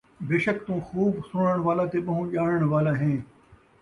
بیشک تُوں خُوب سُݨݨ والا تے ٻَہوں ڄاݨݨ والا ہیں ۔